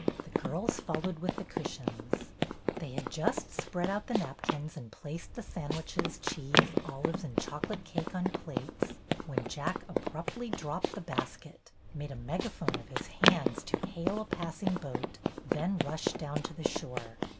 The girls followed with the cushions. They had just spread out the napkins and placed the sandwiches, cheese, olives, and chocolate cake on plates, when Jack abruptly dropped the basket, made a megaphone of his hands to hail a passing boat, then rushed down to the shore.